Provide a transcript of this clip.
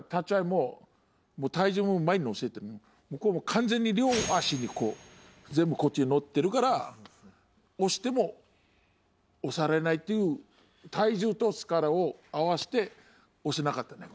もうはいもう体重も前にのせて向こうも完全に両足にこう全部こっちにのってるから押しても押されないっていう体重と力を合わせて押せなかったね